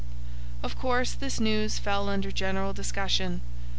Of course this news fell under general discussion.